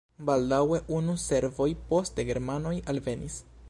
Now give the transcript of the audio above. Baldaŭe unue serboj, poste germanoj alvenis.